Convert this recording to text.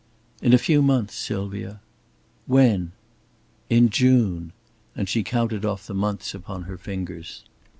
"In a few months, Sylvia." "When?" "In June." And she counted off the months upon her fingers.